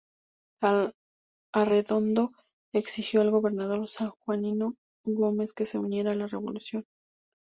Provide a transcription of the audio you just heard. Arredondo exigió al gobernador sanjuanino Gómez que se uniera a la revolución.